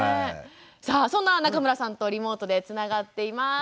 さあそんな中村さんとリモートでつながっています。